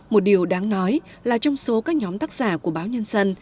một điều đáng nói là trong số các nhóm tác giả của báo nhân dân